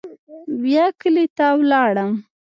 بيا کلي ته ولاړم.